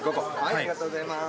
ありがとうございます。